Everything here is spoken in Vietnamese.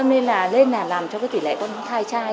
nên là nên là làm cho cái tỷ lệ con trai trai